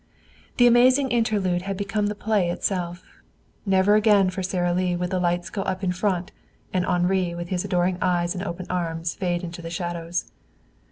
The amazing interlude had become the play itself. Never again for Sara Lee would the lights go up in front, and Henri with his adoring eyes and open arms fade into the shadows.